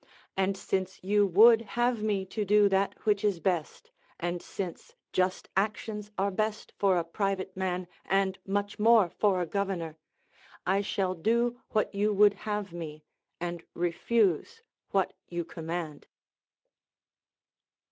And since you would have me to do that which is best, and since just actions are best for a private man and much more for a governor, I shall do Avhat you would have me, and refuse what you command.